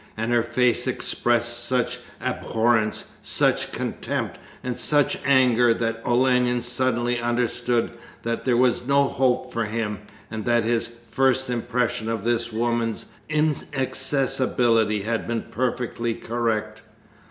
And her face expressed such abhorrence, such contempt, and such anger that Olenin suddenly understood that there was no hope for him, and that his first impression of this woman's inaccessibility had been perfectly correct.